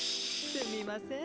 すみません。